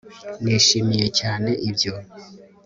nishimiye cyane ibyo